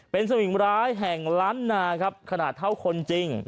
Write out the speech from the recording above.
เป็นสวิงร้ายแห่งล้านนาครับขนาดเท่าคนจริง